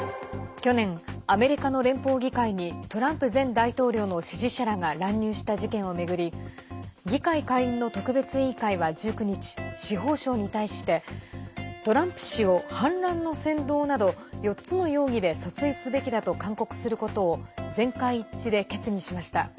去年、アメリカの連邦議会にトランプ前大統領の支持者らが乱入した事件を巡り議会下院の特別委員会は１９日司法省に対してトランプ氏を反乱の扇動など４つの容疑で訴追すべきだと勧告することを全会一致で決議しました。